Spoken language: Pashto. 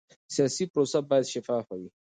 سیاسي پروسه باید شفافه وي